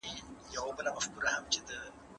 که په مورنۍ ژبه پوه سو، مفاهمه کې جنجال نه راځي.